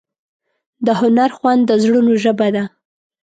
د هنر خوند د زړونو ژبه ده.